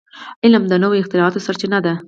علم د نوو اختراعاتو سرچینه ده.